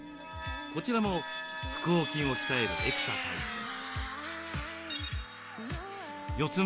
こちらも腹横筋を鍛えるエクササイズです。